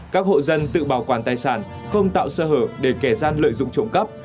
các hộ dân tự bảo quản tài sản không tạo sơ hở để kẻ gian lợi dụng trộm cắp